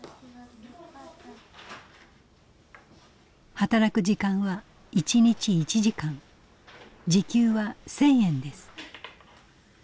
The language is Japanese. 働く時間は１日１時間時給は１，０００円です。